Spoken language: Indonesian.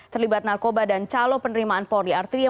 terlibat narkoba dan calon penerimaan polri